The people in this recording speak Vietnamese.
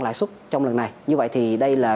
lãi suất trong lần này như vậy thì đây là